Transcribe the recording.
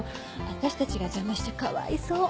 私たちが邪魔しちゃかわいそう。